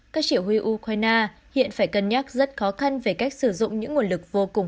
các chỉ huy ukraine hiện phải cân nhắc rất khó khăn về cách sử dụng những nguồn lực vô cùng